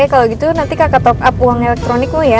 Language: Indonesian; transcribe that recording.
kalau gitu nanti kakak top up uang elektronik loh ya